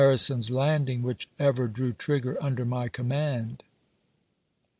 rison's Landing which ever drew trigger under p. 46. ■' my command."